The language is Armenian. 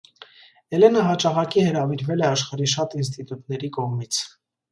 Էլենը հաճախակի հրավիրվել է աշխարհի շատ ինստիտուտների կողմից։